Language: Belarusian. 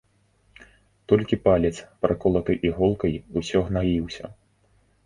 Толькі палец, праколаты іголкай, усё гнаіўся.